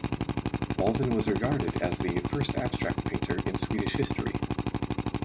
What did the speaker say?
Walden was regarded as "the first abstract painter in Swedish history".